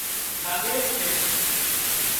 ڪاٻير سي